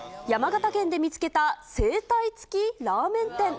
山形県で見つけた、整体付きラーメン店。